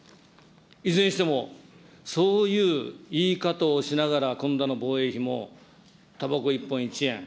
いずれにしても、そういう言い方をしながら、今度の防衛費もたばこ１本１円。